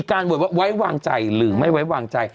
อันนั้นแหละ